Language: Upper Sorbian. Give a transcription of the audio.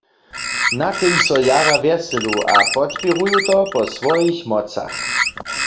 Nad tym so jara wjeselu a podpěruju to po swojich mocach.